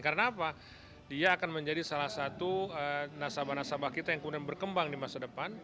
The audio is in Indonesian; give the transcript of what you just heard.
karena apa dia akan menjadi salah satu nasabah nasabah kita yang kemudian berkembang di masa depan